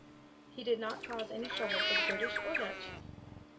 He did not cause any trouble for the British or Dutch.